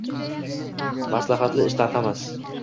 Maslahatli ish tarqamas.